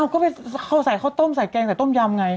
เขาต้มใส่แกงแต่ต้มยำไง